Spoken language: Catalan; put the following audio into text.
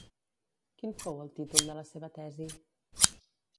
Quin fou el títol de la seva tesi?